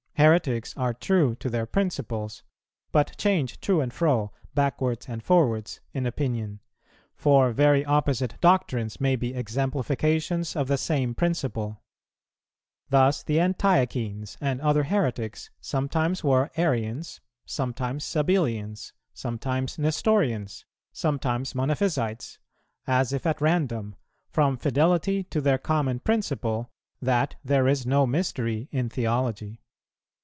Heretics are true to their principles, but change to and fro, backwards and forwards, in opinion; for very opposite doctrines may be exemplifications of the same principle. Thus the Antiochenes and other heretics sometimes were Arians, sometimes Sabellians, sometimes Nestorians, sometimes Monophysites, as if at random, from fidelity to their common principle, that there is no mystery in theology.